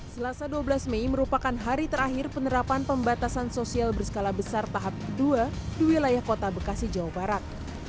selasa dua belas mei merupakan hari terakhir penerapan pembatasan sosial berskala besar tahap kedua di wilayah kota bekasi jawa barat